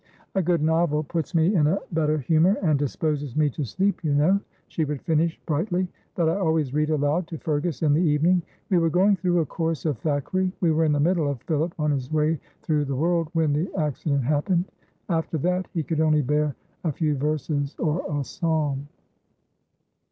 "A good novel puts me in a better humour and disposes me to sleep, you know," she would finish, brightly, "that I always read aloud to Fergus in the evening; we were going through a course of Thackeray we were in the middle of 'Philip on his way through the world' when the accident happened. After that he could only bear a few verses or a psalm."